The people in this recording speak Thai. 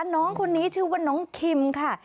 น้องคนนี้ชื่อว่าน้องคิมค่ะ